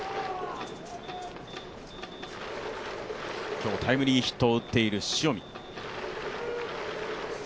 今日タイムリーヒットを打っている塩見。